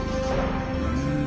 うん？